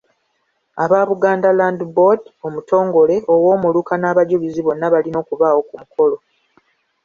Aba Buganda Land Board, omutongole, ow’omuluka n’abajulizi bonna balina okubaawo ku mukolo.